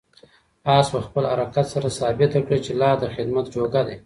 آس په خپل حرکت سره ثابته کړه چې لا د خدمت جوګه دی.